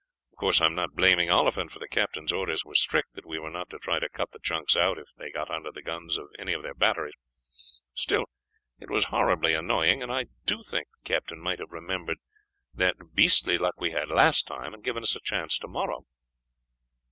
Of course I am not blaming Oliphant, for the captain's orders were strict that we were not to try to cut the junks out if they got under the guns of any of their batteries. Still it was horribly annoying, and I do think the captain might have remembered what beastly luck we had last time, and given us a chance tomorrow."